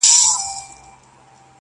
نر اوښځي ټول له وهمه رېږدېدله -